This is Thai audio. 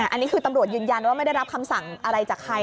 อันนี้คือตำรวจยืนยันว่าไม่ได้รับคำสั่งอะไรจากใคร